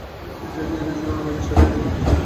এই ত্যাগেই সে অন্য মেয়েদের ছাড়িয়ে যেতে চাইছিল।